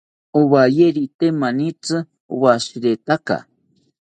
Owayerite manitzi owashiretaka